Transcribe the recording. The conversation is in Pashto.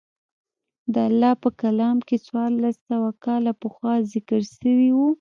د الله په کلام کښې څوارلس سوه کاله پخوا ذکر سوي وو.